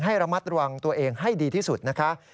ให้ระมัดระวังตัวเองให้ดีที่สุดนะคะ